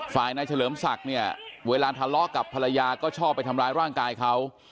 ฝ่ายนายเฉลิมศักดิ์เนี่ยเวลาทะเลาะกับภรรยาก็ชอบไปทำร้ายร่างกายเขา